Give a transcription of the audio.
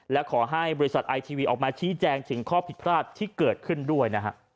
และขอให้บริษัทไอทีวีออกมาชี้แจงถึงข้อผิดพลาดที่เกิดขึ้นด้วยนะฮะ